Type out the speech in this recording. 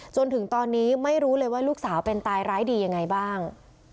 จนถึงตอนนี้ไม่รู้เลยว่าลูกสาวเป็นตายร้ายดียังไงบ้าง